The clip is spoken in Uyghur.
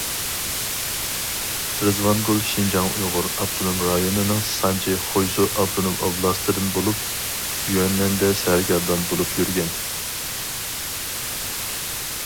رىزۋانگۈل شىنجاڭ ئۇيغۇر ئاپتونوم رايونىنىڭ سانجى خۇيزۇ ئاپتونوم ئوبلاستىدىن بولۇپ، يۈننەندە سەرگەردان بولۇپ يۈرگەن.